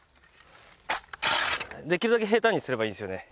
できるだけ平坦にすればいいんですよね。